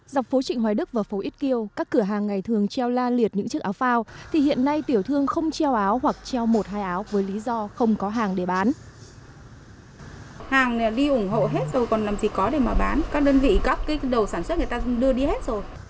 dọc phố trịnh hoài đức và phố ít kiêu các cửa hàng ngày thường treo la liệt những chiếc áo phao thì hiện nay tiểu thương không treo áo hoặc treo một hai áo với lý do không có hàng để bán